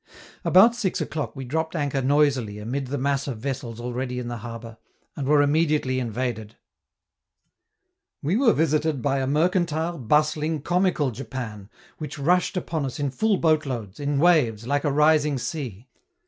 About six o'clock we dropped anchor noisily amid the mass of vessels already in the harbor, and were immediately invaded. We were visited by a mercantile, bustling, comical Japan, which rushed upon us in full boat loads, in waves, like a rising sea.